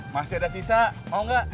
masih ada sisa mau nggak